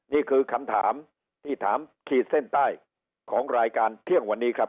นี่คือคำถามที่ถามขีดเส้นใต้ของรายการเที่ยงวันนี้ครับ